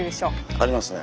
ありますね。